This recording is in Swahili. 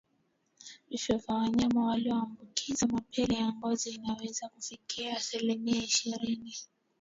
Vifo vya wanyama walioambukizwa mapele ya ngozi inaweza kufikia asilimia ishirini